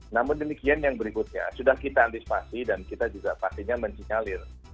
namun demikian yang berikutnya sudah kita antisipasi dan kita juga pastinya mensinyalir